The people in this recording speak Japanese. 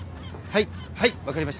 はい。